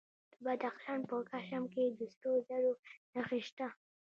د بدخشان په کشم کې د سرو زرو نښې شته.